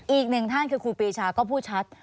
อีกหนึ่งท่านคือครูปีชาก็พูดชัด